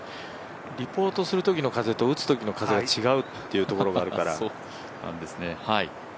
リポートするときの風と打つときの風が違うというところがあるから。